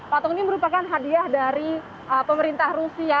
patung ini merupakan hadiah dari pemerintah rusia